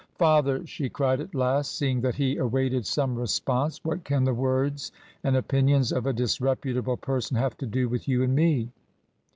"Father," she cried at last, seeing that he awaited some reponse, " what can the words and opinions of a disreputable person have to do with you and me